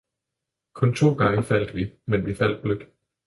Kun to gange faldt vi, men vi faldt blødt.